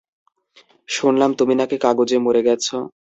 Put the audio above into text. শুনলাম তুমি নাকি কাগজে মরে গেছো।